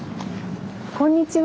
こんにちは。